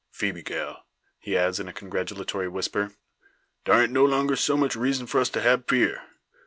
"Phoebe, gal," he adds, in a congratulatory whisper, "dar ain't no longer so much reezun for us to hab fear.